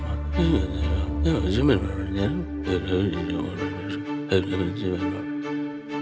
aku tidak akan pernah meninggalkan tempat ini